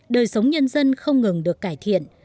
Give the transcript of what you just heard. đời sống nhân dân không ngừng được cải thiện